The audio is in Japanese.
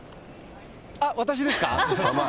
あっ、私ですか？